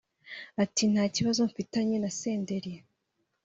Ati Nta kibazo mfitanye naSenderi